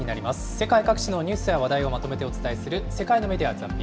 世界各地のニュースや話題をまとめてお伝えする世界のメディア・